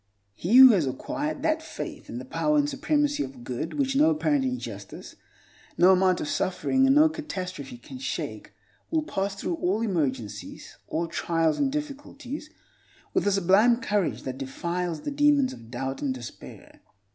He who has acquired that faith in the power and supremacy of good, which no apparent injustice, no amount of suffering, and no catastrophe can shake, will pass through all emergencies, all trials and difficulties, with a sublime courage that defies the demons of doubt and despair.